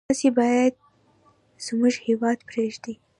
تاسي باید زموږ هیواد پرېږدی.